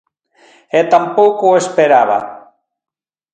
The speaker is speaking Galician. E tampouco o esperaba.